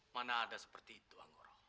mana ada seperti itu